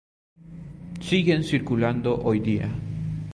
Siguen circulando hoy día.